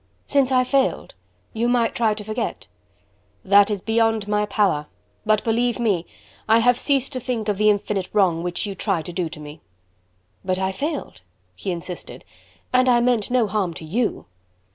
"Since I failed, you might try to forget." "That is beyond my power. But believe me, I have ceased to think of the infinite wrong which you tried to do to me." "But I failed," he insisted, "and I meant no harm to YOU."